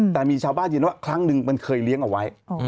แต่มีชาวบ้านยืนว่าครั้งหนึ่งมันเคยเลี้ยงเอาไว้